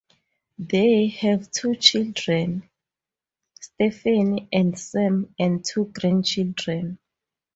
They have two children, Stephanie and Sam, and two grandchildren.